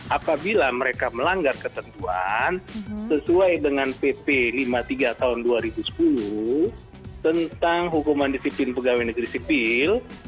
apabila mereka melanggar ketentuan sesuai dengan pp lima puluh tiga tahun dua ribu sepuluh tentang hukuman disiplin pegawai negeri sipil